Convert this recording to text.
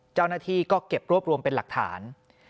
เจ้าหน้าที่ก็เก็บรวบรวมเป็นหลักฐาน